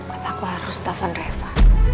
apaku harus tahan reva